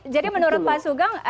jadi menurut pak sugeng